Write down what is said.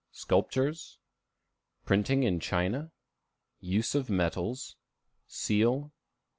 Sculptures. Printing in China. Use of Metals. Seal.